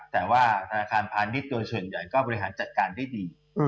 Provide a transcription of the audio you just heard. แต่ว่าธนาคารพาณิชย์โดยส่วนใหญ่ก็บริหารจัดการได้ดี